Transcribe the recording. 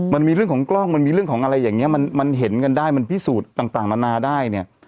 มันมีเรื่องของกล้องมันมีเรื่องของอะไรอย่างนี้มันเห็นกันได้มันพิสูจน์ต่างนานาได้เนี่ย